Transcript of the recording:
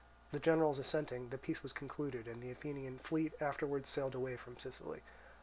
The generals assenting, the peace was concluded, and the Athenian fleet afterwards sailed away from Sicily.